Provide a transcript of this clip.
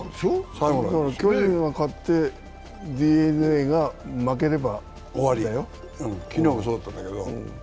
巨人が勝ってＤｅＮＡが負ければ終わり、昨日もそうだったんだけど。